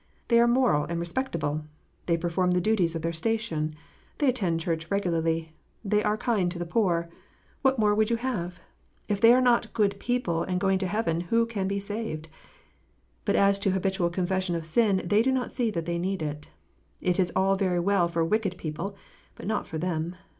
They are moral and respectable ! They perform the duties of their station ! They attend church regularly ! They are kind to the poor ! What more would you have ? If they are not good people and going to heaven, who can be saved ? But as to habitual confession of sin, they do not see that they need it. It is all very well for wicked people, but not for them.